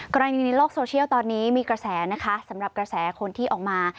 กรณีในโลกโซเชียลตอนนี้มีกระแสนะคะสำหรับกระแสคนที่ออกมา